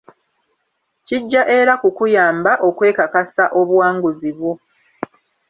Kijja era kukuyamba okwekakasa obuwanguzi bwo.